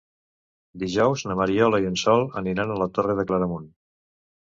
Dijous na Mariona i en Sol aniran a la Torre de Claramunt.